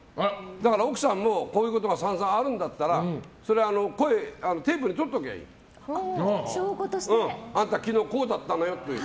だから奥さんもこういうことが散々あるんだったら声をテープにとっておけばいい。あんた、昨日こうだったのよって。